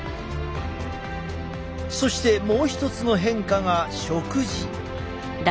そしてもう一つの変化が食事。